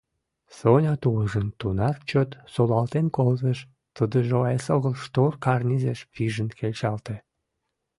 Соня тувыржым тунар чот солалтен колтыш, тудыжо эсогыл штор карнизеш пижын кечалте.